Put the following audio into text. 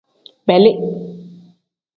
Beeli.